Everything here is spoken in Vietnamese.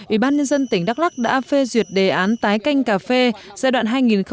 ủy ban nhân dân tỉnh đắk lắc đã phê duyệt đề án tái canh cà phê giai đoạn hai nghìn một mươi sáu hai nghìn hai mươi